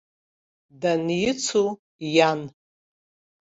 Даницу иан.